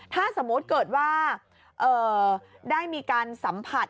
ถ้าสมมุติเกิดว่าได้มีการสัมผัส